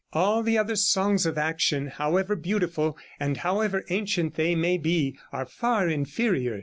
All the other songs of action, however beautiful and however ancient they may be, are far inferior.